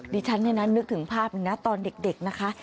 ดิฉันเนี่ยนะนึกถึงภาพเลยนะตอนเด็กนะคะ